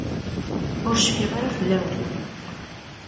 Ur cfiɣ ara fell-awen.